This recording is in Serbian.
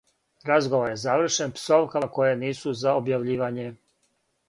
Разговор је завршен псовкама које нису за објављивање.